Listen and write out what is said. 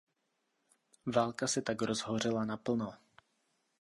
Válka se tak rozhořela naplno.